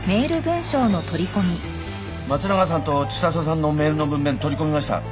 松永さんと知里さんのメールの文面取り込みました。